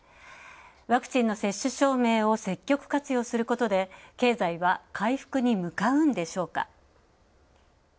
ワクチンの接種証明を積極活用することで経済は回復に向かうんでしょうか。